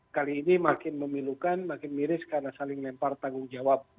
kali ini makin memilukan makin miris karena saling lempar tanggung jawab